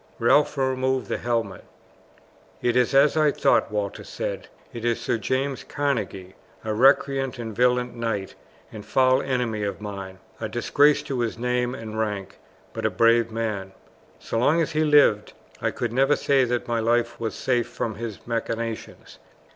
Ralph removed the helmet. "It is as I thought," Walter said; "it is Sir James Carnegie, a recreant and villain knight and foul enemy of mine, a disgrace to his name and rank, but a brave man. So long as he lived I could never say that my life was safe from his machinations.